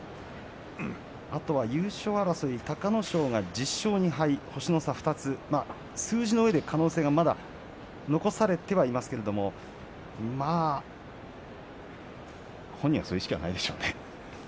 あとは優勝争いに隆の勝１０勝２敗、星の差２つ数字のうえで可能性はまだ残されてはいますが本人は、そういう意識はないでしょうね。